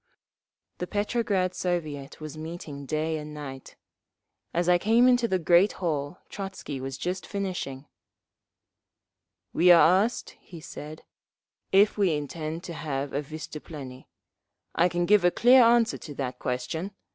The Petrograd Soviet was meeting day and night. As I came into the great hall Trotzky was just finishing. "We are asked," he said, "if we intend to have a vystuplennie. I can give a clear answer to that question.